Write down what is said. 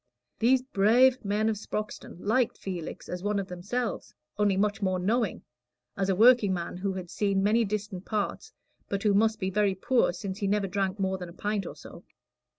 These "brave" men of Sproxton liked Felix as one of themselves, only much more knowing as a workingman who had seen many distant parts, but who must be very poor, since he never drank more than a pint or so.